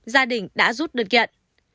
gia đình đã rút đơn kiện